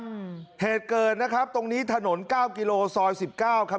ครับเหตุเกิดนะครับตรงนี้ถนน๙กิโลซอย๑๙ครับ